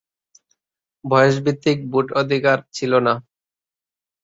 বয়স ভিত্তিক ভোটাধিকার ছিল না।